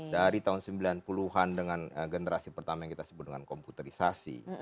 dari tahun sembilan puluh an dengan generasi pertama yang kita sebut dengan komputerisasi